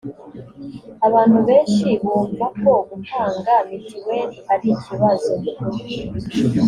abantu benshi bumva ko gutanga mituweli ari ikibazo